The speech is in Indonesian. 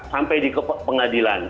sampai di ke pengadilan